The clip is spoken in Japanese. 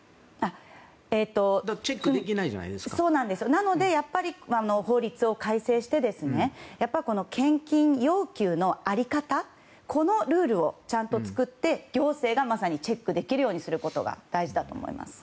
なので、やっぱり法律を改正して献金要求の在り方のルールをちゃんと作って行政が、まさにチェックできるようにすることが大事だと思います。